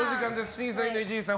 審査員の伊集院さん